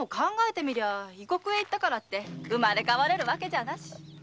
でも異国へ行ったからって生まれ変われるわけじゃなし。